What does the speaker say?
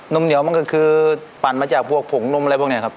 มเหนียวมันก็คือปั่นมาจากพวกผงนมอะไรพวกนี้ครับ